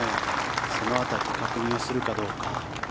その辺りで確認するかどうか。